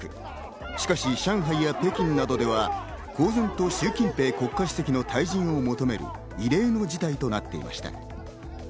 しかし上海や北京などでは公然とシュウ・キンペイ国家主席の退陣を求める、異例の事態となっていました。